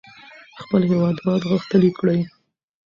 خپل هېوادوال غښتلي کړئ.